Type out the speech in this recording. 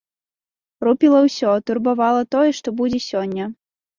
Рупіла ўсё, турбавала тое, што будзе сёння.